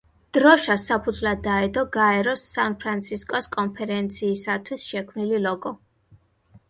დროშას საფუძვლად დაედო გაეროს სან-ფრანცისკოს კონფერენციისათვის შექმნილი ლოგო.